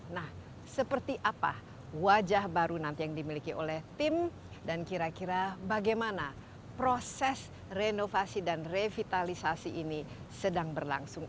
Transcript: nah seperti apa wajah baru nanti yang dimiliki oleh tim dan kira kira bagaimana proses renovasi dan revitalisasi ini sedang berlangsung